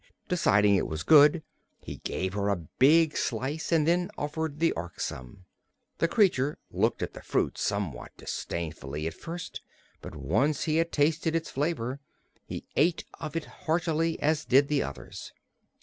Deciding it was good he gave her a big slice and then offered the Ork some. The creature looked at the fruit somewhat disdainfully, at first, but once he had tasted its flavor he ate of it as heartily as did the others.